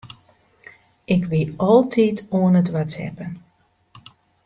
Ik wie altyd oan it whatsappen.